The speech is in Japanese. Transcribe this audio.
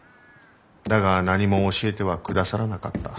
だが何も教えてはくださらなかった。